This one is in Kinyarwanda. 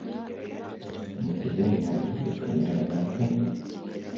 Museveni yaguze kamera na Jeaninne